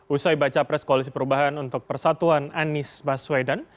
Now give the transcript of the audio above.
usai baca pres koalisi perubahan untuk persatuan anies baswedan